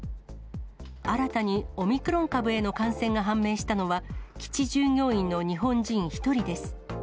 新たにオミクロン株への感染が判明したのは、基地従業員の日本人１人です。